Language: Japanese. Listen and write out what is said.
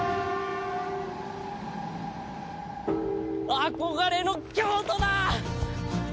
憧れの京都だ！